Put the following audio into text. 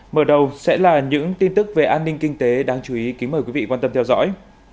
mở đầu sẽ là những tin tức về an ninh kinh tế đáng chú ý kính mời quý vị quan tâm theo dõi